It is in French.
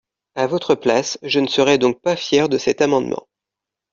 À votre place, je ne serai donc pas fier de cet amendement.